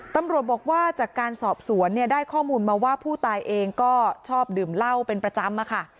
ตำรวจบอกว่าจากการสอบสวนเนี่ยได้ข้อมูลมาว่าผู้ตายเองก็ชอบดื่มเหล้าเป็นประจำอะค่ะ